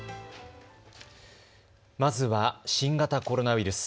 まずは新型コロナウイルス。